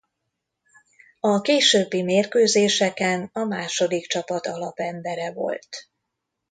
A későbbi mérkőzéseken a második csapat alapembere volt.